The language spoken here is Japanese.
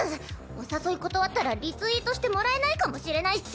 お誘い断ったらリツイートしてもらえないかもしれないっス。